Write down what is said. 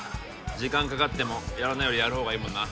時間かかってもやらないよりやるほうがいいもんな